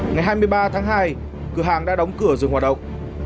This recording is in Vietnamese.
ngày hai mươi ba tháng hai cửa hàng đã đóng cửa dừng hoạt động